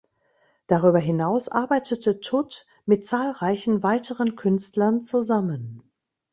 Darüber hinaus arbeitete Tutt mit zahlreichen weiteren Künstlern zusammen.